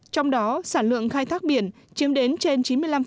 trong đó sản lượng khai thác biển chiếm đến trên chín mươi năm